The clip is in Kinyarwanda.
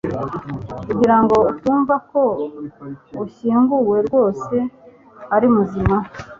Kugira ngo utumva ko ushyinguwe rwose ari muzima